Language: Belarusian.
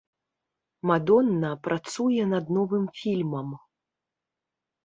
Мадонна працуе над новым фільмам.